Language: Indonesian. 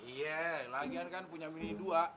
iya lagian kan punya mini dua